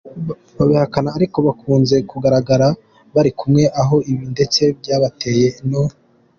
babihakana ariko ngo bakunze kugaragara bari kumwe aho ibi ndetse byabateye no.